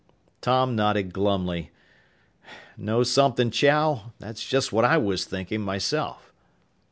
Tom nodded glumly. "Know something, Chow? That's just what I was thinking myself."